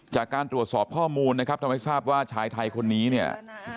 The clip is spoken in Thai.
จากการตรวจสอบข้อมูลนะครับทำให้ทราบว่าชายไทยคนนี้เนี่ย